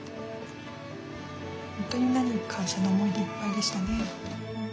本当にみんなに感謝の思いでいっぱいでしたね。